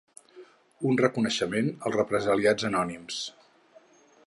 Un reconeixement als represaliats anònims.